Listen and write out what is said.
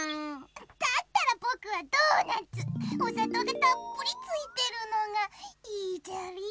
だったらぼくはドーナツ！おさとうがたっぷりついてるのがいいじゃりー。